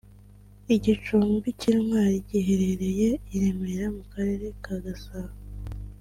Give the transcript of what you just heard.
Igicumbi cy’Intwari giherereye i Remera mu Karere ka Gasabo